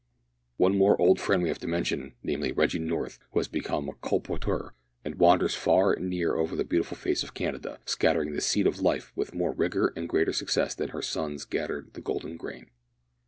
One more old friend we have to mention, namely, Reggie North, who has become a colporteur, and wanders far and near over the beautiful face of Canada, scattering the seed of Life with more vigour and greater success than her sons scatter the golden grain.